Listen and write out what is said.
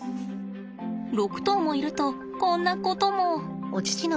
６頭もいるとこんなことも。